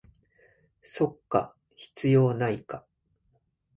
そっか、必要ないか